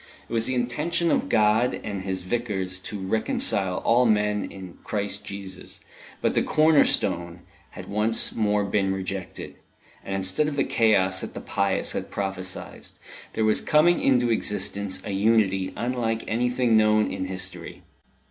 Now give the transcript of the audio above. It was the intention of God and of His Vicars to reconcile all men in Christ Jesus; but the corner stone had once more been rejected, and instead of the chaos that the pious had prophesied, there was coming into existence a unity unlike anything known in history.